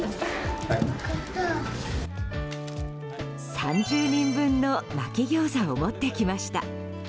３０人分のまき餃子を持ってきました。